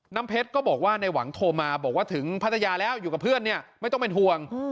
เพชรก็บอกว่าในหวังโทรมาบอกว่าถึงพัทยาแล้วอยู่กับเพื่อนเนี่ยไม่ต้องเป็นห่วง